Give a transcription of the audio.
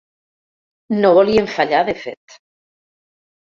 No volien fallar, de fet.